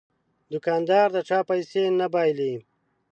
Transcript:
دوکاندار د چا پیسې نه بایلي.